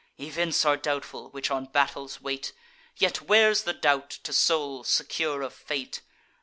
Events are doubtful, which on battles wait: Yet where's the doubt, to souls secure of fate?